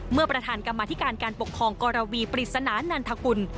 ประธานกรรมธิการการปกครองกรวีปริศนานันทกุล